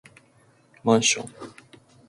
マンション